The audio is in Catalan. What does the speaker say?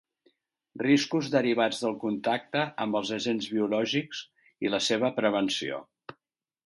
Riscos derivats del contacte amb els agents biològics i la seva prevenció.